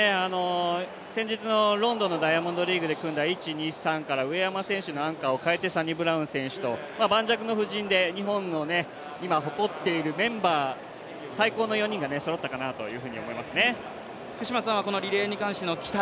先日のロンドンのダイヤモンドリーグで組んだ１、２、３と、上山選手のアンカーを変えてサニブラウン選手と盤石の布陣で日本の今誇っているメンバー、最高の４人がそろったかなと思いますね。